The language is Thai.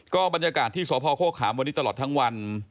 ก็บรรยากาศที่สพโฆขามวันนี้ตลอดทั้งวัน